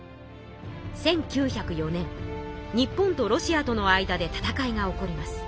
日本とロシアとの間で戦いが起こります。